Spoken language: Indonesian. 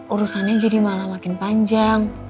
urusannya jadi malah makin panjang